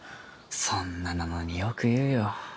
そんななのによく言うよ。